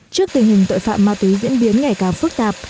trước tình hình tội phạm ma túy diễn biến ngày càng phức tạp